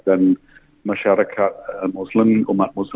dan masyarakat muslim umat muslim